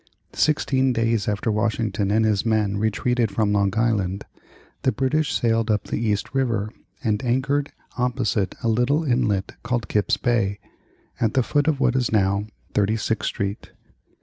Sixteen days after Washington and his men retreated from Long Island, the British sailed up the East River and anchored opposite a little inlet called Kip's Bay (at the foot of what is now Thirty sixth Street).